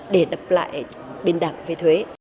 để đập lại